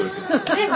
えっ？